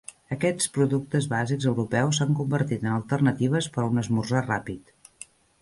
Aquests productes bàsics europeus s'han convertit en alternatives per a un esmorzar ràpid.